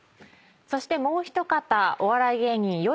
そしてもう一方お笑い芸人よゐ